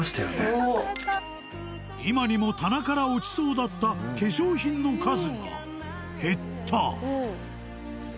今にも棚から落ちそうだった化粧品の数が減った